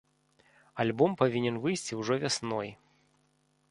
Альбом павінен выйсці ўжо вясной.